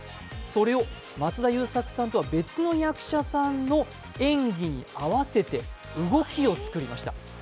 それを松田優作さんとは別の役者さんの演技に合わせて動きを作りました。